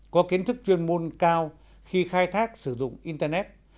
có kiến thức chuyên môn cao khi khai thác sử dụng internet